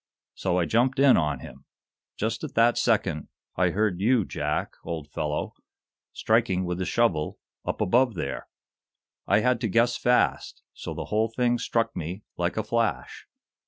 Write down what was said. So I jumped in on him. Just at that second I heard you, Jack, old fellow, striking with the shovel up above there. I had to guess fast, so the whole thing struck me like a flash.